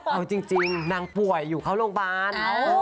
เอาจริงนางป่วยอยู่เข้าโรงพยาบาล